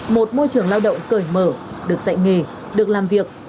một môi trường lao động cởi mở được dạy nghề được làm việc